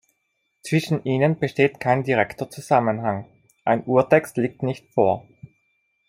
Zwischen ihnen besteht kein direkter Zusammenhang; ein Urtext liegt nicht vor.